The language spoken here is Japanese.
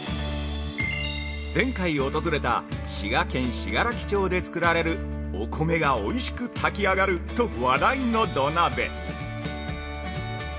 ◆前回訪れた滋賀県信楽町で作られるお米がおいしく炊き上がると話題の土鍋。